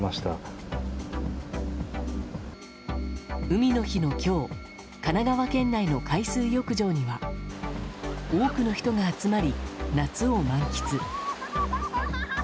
海の日の今日神奈川県内の海水浴場には多くの人が集まり、夏を満喫。